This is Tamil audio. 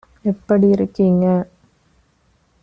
எப்படி இருக்கீங்க?